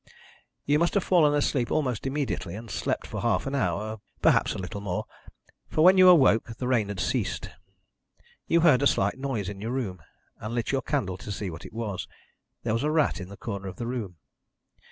"You must have fallen asleep almost immediately, and slept for half an hour perhaps a little more for when you awoke the rain had ceased. You heard a slight noise in your room, and lit your candle to see what it was. There was a rat in the corner of the room.